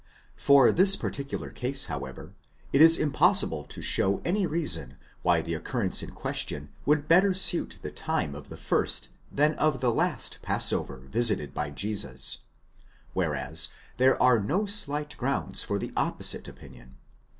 For this particular case, however, it is impossible to show any reason why the occurrence in question would better suit the time of the first than of the last passover visited by Jesus, whereas there are no slight grounds for the oppo site opinion.